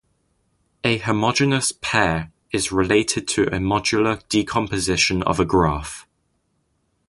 A homogeneous pair is related to a modular decomposition of a graph.